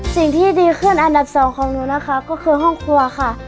สิ่งที่ดีขึ้นอันดับสองของหนูนะคะก็คือห้องครัวค่ะ